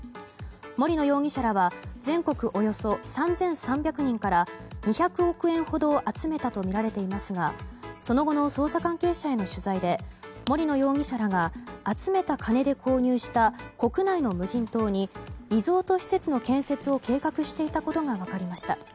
森野容疑者らは全国およそ３３００人から２００億円ほどを集めたとみられていますがその後の捜査関係者への取材で森野容疑者らが集めた金で購入した国内の無人島にリゾート施設の建設を計画していたことが分かりました。